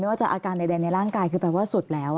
ไม่ว่าจะอาการว่าอยดันในร่างกายคือแปลว่าสดแล้ว